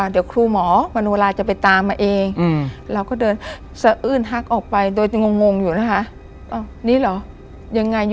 เดี๋ยวครูหมอมนุษย์จะไปตามมาเอง